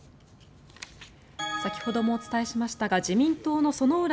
先ほどもお伝えしましたが自民党の薗浦